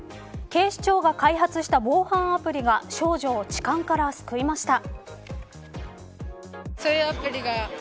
警視庁が開発した防犯アプリが少女を痴漢から救いました。